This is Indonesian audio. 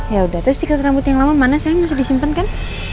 ya udah terus dikasih rambut yang lama mana saya masih disimpan kan